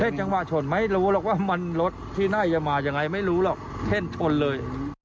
จังหวะชนไม่รู้หรอกว่ามันรถที่น่าจะมายังไงไม่รู้หรอกเช่นชนเลย